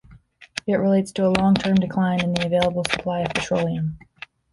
It relates to a long-term decline in the available supply of petroleum.